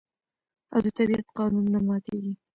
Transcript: او د طبیعت قانون نه ماتیږي.